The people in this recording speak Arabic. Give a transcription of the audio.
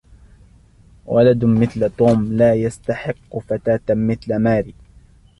ولد مثل توم لا يستحق فتاة مثل ماري.